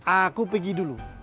aku pergi dulu